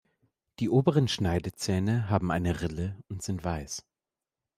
Die oberen Schneidezähne haben eine Rille und sind weiß.